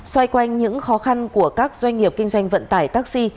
xoay quanh những khó khăn của các doanh nghiệp kinh doanh vận tải taxi